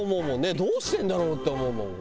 どうしてんだろうって思うもん。